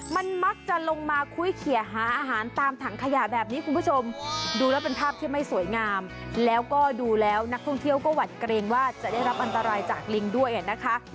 มันมักจะลงมาคุยเขียหาอาหารตามถังขยะแบบนี้คุณผู้ชมดูแล้วเป็นภาพที่ไม่สวยงามแล้วก็ดูแล้วนักท่องเที่ยวก็หวัดเกรงว่าจะได้รับอันตรายจากลิงด้วยนะคะ